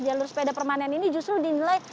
jalur sepeda permanen ini justru dinilai